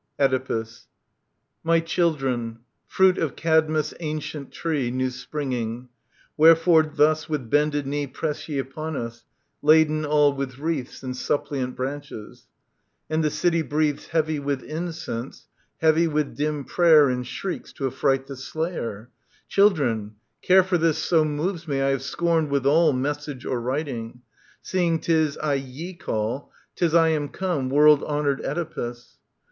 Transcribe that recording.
L^^A^ Oedipus. fh^/^^ My children, fruit of Cadmus' ancient tree New springing, wherefore thus with bended knee Press ye upon us, laden all with wreaths And suppliant branches ? And the city breathes Heavy with incense, heavy with dim prayer And shrieks to affright the Slayer. — Children, care For this so moves me, I have scorned withal Message or writing : seeing 'tis I ye call, 'Tis I am come, world honoured Oedipus.